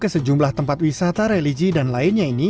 ke sejumlah tempat wisata religi dan lainnya ini